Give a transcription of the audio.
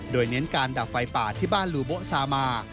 โดยเน้นการดับไฟป่าที่บ้านลูโบซามา